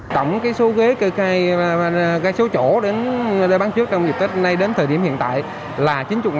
tổng số ghế cây cây số chỗ để bán trước trong dịp tết nay đến thời điểm hiện tại là chín mươi